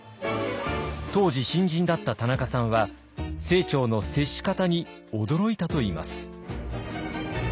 当時新人だった田中さんは清張の接し方に驚いたといいます。